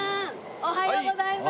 おはようございます。